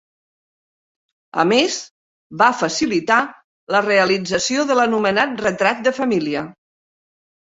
A més, va facilitar la realització de l'anomenat retrat de família.